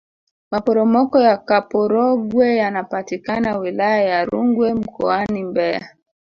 maporomoko ya kaporogwe yanapatikana wilaya ya rungwe mkoani mbeya